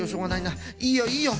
いいよいいよ。